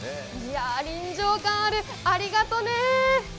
臨場感ある、ありがとね。